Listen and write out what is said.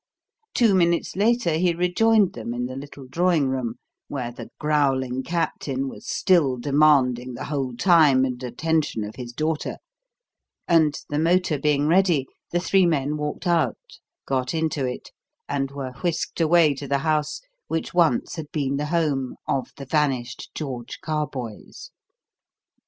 Two minutes later he rejoined them in the little drawing room, where the growling Captain was still demanding the whole time and attention of his daughter, and, the motor being ready, the three men walked out, got into it, and were whisked away to the house which once had been the home of the vanished George Carboys.